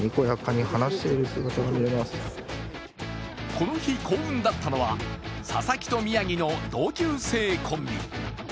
この日幸運だったのは佐々木と宮城の同級生コンビ。